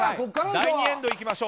第２エンド、いきましょう。